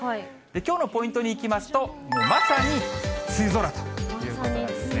きょうのポイントにいきますと、まさに梅雨空ということなんですね。